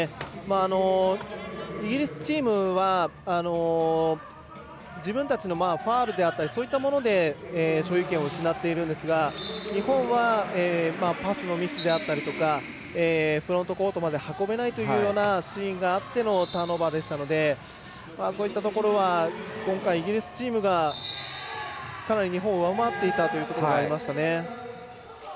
イギリスチームは自分たちのファウルであったりそういったもので、所有権を失っているんですけど日本はパスのミスであったりとかフロントコートまで運べないというシーンがあってのターンオーバーでしたのでそういったところは、今回イギリスチームがかなり日本を上回っていたということになりましたね。